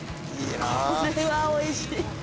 これはおいしい。